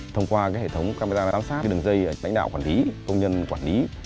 thông qua hệ thống camera giám sát đường dây lãnh đạo quản lý công nhân quản lý